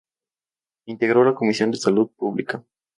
Integró la Comisión de Salud Pública.